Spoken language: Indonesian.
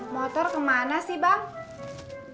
motor kemana sih bang